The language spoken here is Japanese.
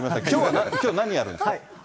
きょうは何やるんですか？